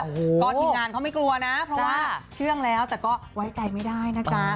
ก็ทีมงานเขาไม่กลัวนะเพราะว่าเชื่องแล้วแต่ก็ไว้ใจไม่ได้นะจ๊ะ